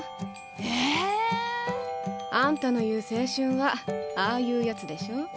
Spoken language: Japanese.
ええ⁉あんたの言う青春はああいうやつでしょ？